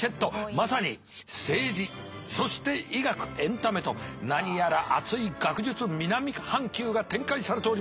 まさに政治そして医学エンタメと何やら熱い学術南半球が展開されております。